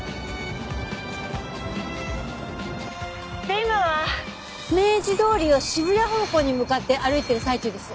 「で今は明治通りを渋谷方向に向かって歩いてる最中です」